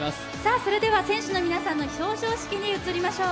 それでは選手の皆さんの表彰式に移りましょう。